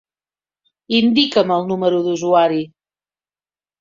Indica'm el número d'usuari.